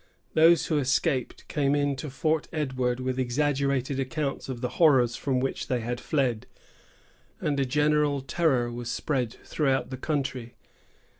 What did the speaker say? Those who escaped came in to Fort Edward with exaggerated accounts of the horrors from which they had fled, and a general terror was spread through the country.